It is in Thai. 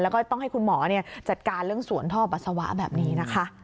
แล้วก็ต้องให้คุณหมอจัดการเรื่องสวนท่อปัสสาวะแบบนี้นะคะ